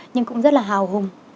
nhưng cũng rất là hào hùng